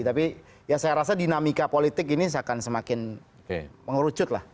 tapi ya saya rasa dinamika politik ini akan semakin mengerucut lah